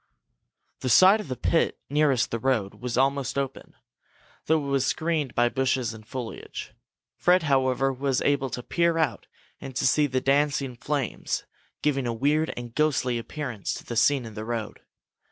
The side of the pit nearest the road was almost open, though it was screened by bushes and foliage. Fred, however, was able to peer out and to see the dancing flames, giving a weird and ghostly appearance to the scene in the road.